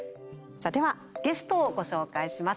ゲストをご紹介します。